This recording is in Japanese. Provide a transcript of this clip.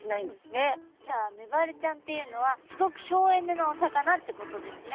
じゃあメバルちゃんっていうのはすごく省エネなお魚ってことですね。